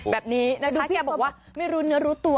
แบบนี้นะคะแกบอกว่าไม่รู้เนื้อรู้ตัว